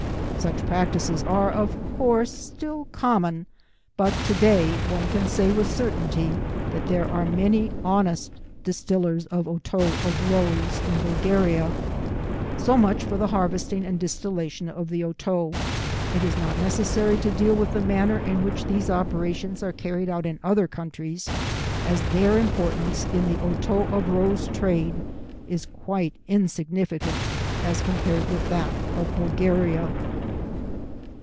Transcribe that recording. Such practices are, of course, still common, but to day one can say with certainty that there are many honest distillers of Otto of Rose in Bulgaria. So much for the harvesting and distillation of the Otto. It is not necessary to deal with the manner in which these operations are carried out in other countries, as their importance in the Otto of Rose trade is quite insignificant as compared with that of Bulgaria.